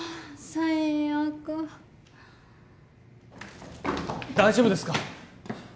最悪大丈夫ですか？